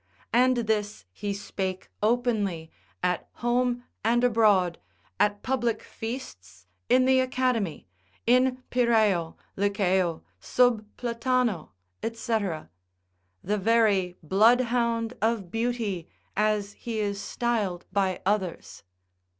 and this he spake openly, at home and abroad, at public feasts, in the academy, in Pyraeo, Lycaeo, sub Platano, &c., the very bloodhound of beauty, as he is styled by others.